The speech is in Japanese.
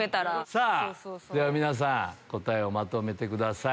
では皆さん答えをまとめてください。